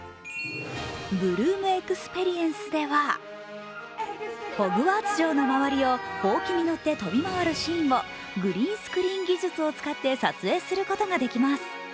ブルームエクスペリエンスでは、ホグワーツ城の周りをほうきに乗って飛び回るシーンをグリーンスクリーン技術を使って撮影することができます。